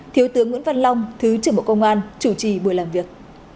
thiếu tướng nguyễn văn long thứ trưởng bộ công an chủ trì buổi làm việc